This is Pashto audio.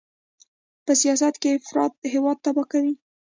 په سیاست کې افراط هېواد تباه کوي.